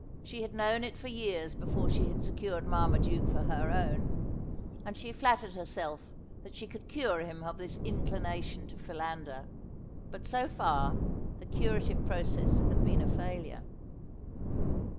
She had known it years before she had secured Marmaduke for her own ; and she had flattered herself that she could cure him of this inclination to philander ; but so far the curative process had been a failure.